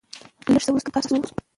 لېږ څه ورورسته د کريم قهر سوړ شو.